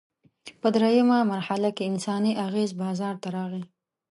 په درېیمه مرحله کې انساني اغېز بازار ته راغی.